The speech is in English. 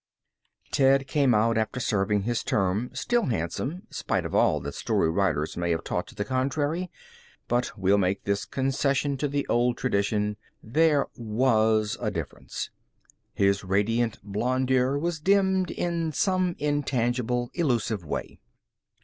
Ted came out after serving his term, still handsome, spite of all that story writers may have taught to the contrary. But we'll make this concession to the old tradition. There was a difference. His radiant blondeur was dimmed in some intangible, elusive way.